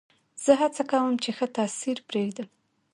زه هڅه کوم، چي ښه تاثیر پرېږدم.